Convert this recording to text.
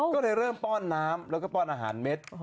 ก็เลยเริ่มป้อนน้ำแล้วก็ป้อนอาหารเม็ด